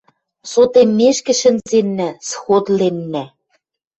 Сотеммешкӹ шӹнзеннӓ, сходленнӓ.